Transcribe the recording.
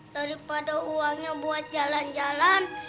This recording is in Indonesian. daripada uangnya buat jalan jalan